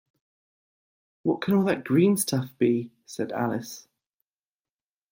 ‘What can all that green stuff be?’ said Alice.